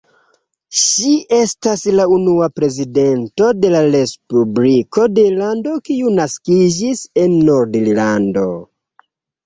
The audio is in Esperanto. Ŝi estas la unua prezidento de la Respubliko de Irlando kiu naskiĝis en Nord-Irlando.